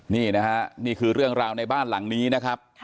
นี่นะฮะนี่คือเรื่องราวในบ้านหลังนี้นะครับ